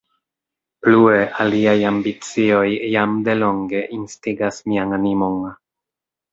Plue, aliaj ambicioj jam de longe instigas mian animon.